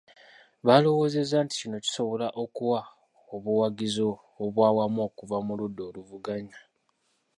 Baalowoozezza nti kino kisobola okuwa obuwagizi obw'awamu okuva mu ludda oluvuganya.